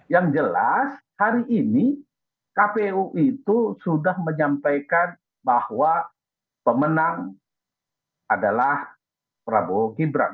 yang jelas hari ini kpu itu sudah menyampaikan bahwa pemenang adalah prabowo gibran